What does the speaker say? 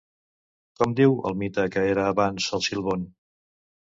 Com diu el mite que era abans El Silbón?